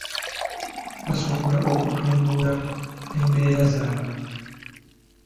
Basobola okutumbula embeera zaabwe.